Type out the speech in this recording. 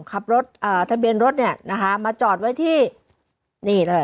ขับรถทะเบียนรถมาจอดไว้ที่